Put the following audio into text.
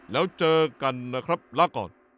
แล้วเจอกันนะครับลาก่อน